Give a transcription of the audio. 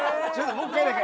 もう１回だけ！